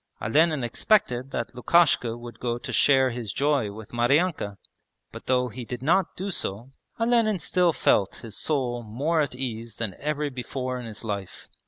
Olenin expected that Lukishka would go to share his joy with Maryanka, but though he did not do so Olenin still felt his soul more at ease than ever before in his life.